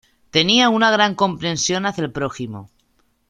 Tenía una gran comprensión hacia el prójimo.